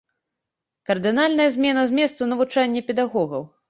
Кардынальная змена зместу навучання педагогаў.